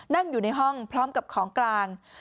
นั่งอยู่ในห้องพร้อมกับของกลาง